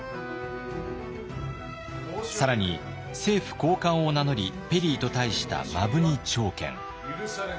更に政府高官を名乗りペリーと対した摩文仁朝健。